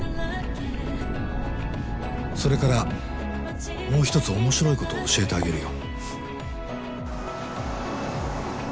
「それからもう一つ面白いことを教えてあげるよ」。